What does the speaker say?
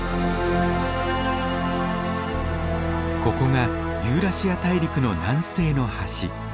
ここがユーラシア大陸の南西の端。